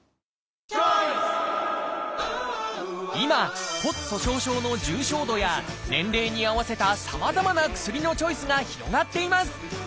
今骨粗しょう症の重症度や年齢に合わせたさまざまな薬のチョイスが広がっています。